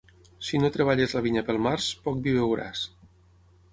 Si no treballes la vinya pel març, poc vi beuràs.